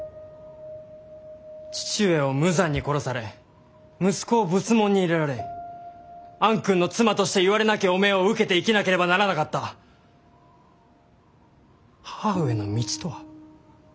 父上を無残に殺され息子を仏門に入れられ暗君の妻としていわれなき汚名を受けて生きなければならなかった母上の道とは。